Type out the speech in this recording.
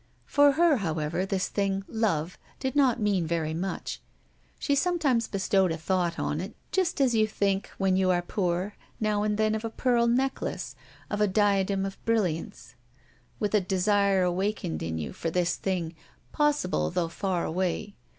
For her, however, this thing, "Love," did not mean very much. She sometimes bestowed a thought on it, just as you think, when you are poor, now and then of a pearl necklace, of a diadem of brilliants, with a desire awakened in you for this thing possible though far away.